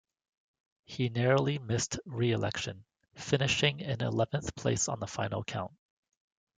He narrowly missed re-election, finishing in eleventh place on the final count.